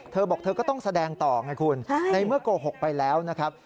เธอบอกเธอก็ต้องแสดงต่อไงคุณในเมื่อโกหกไปแล้วนะครับ